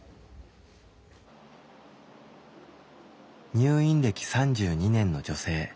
入院歴３２年の女性。